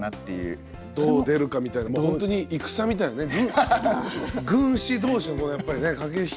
どう出るかみたいなもうほんとに戦みたいにね軍師同士のこのやっぱりね駆け引き。